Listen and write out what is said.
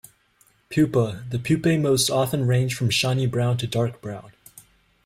Pupa: The pupae most often range from shiny brown to dark brown.